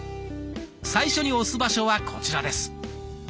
最初に押す場所はこちらです。